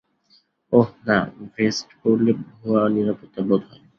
ওহ, না, ভেস্ট পরলে ভুয়া নিরাপত্তা বোধ হয়।